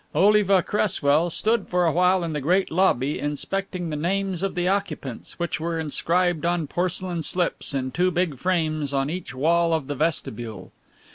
Oliva Cresswell stood for awhile in the great lobby, inspecting the names of the occupants, which were inscribed on porcelain slips in two big frames on each wall of the vestibule.